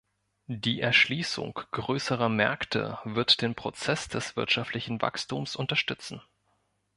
Die Erschließung größerer Märkte wird den Prozess des wirtschaftlichen Wachstums unterstützen.